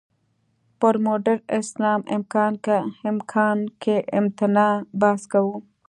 پر «مډرن اسلام، امکان که امتناع؟» بحث کوو.